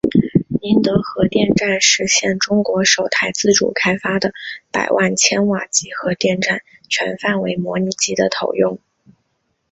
宁德核电站实现中国首台自主开发的百万千瓦级核电站全范围模拟机的投用。